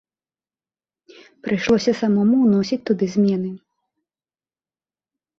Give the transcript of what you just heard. Прыйшлося самому ўносіць туды змены.